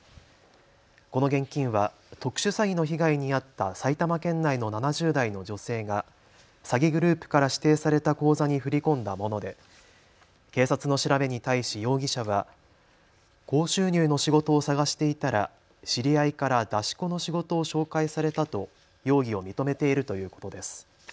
この現金は特殊詐欺の被害に遭った埼玉県内の７０代の女性が詐欺グループから指定された口座に振り込んだもので警察の調べに対し容疑者は高収入の仕事を探していたら知り合いから出し子の仕事を紹介されたと容疑を認めているということです。